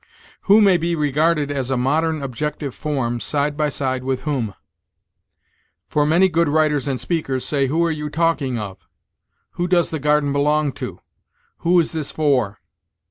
"Who may be regarded as a modern objective form, side by side with whom. For many good writers and speakers say 'who are you talking of?' 'who does the garden belong to?' 'who is this for?'